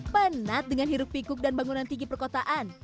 penat dengan hirup pikuk dan bangunan tinggi perkotaan